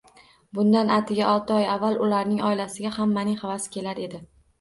Bundan atigi olti oy avval ularning oilasiga hammaning havasi kelar edi